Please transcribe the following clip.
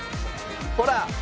ほら。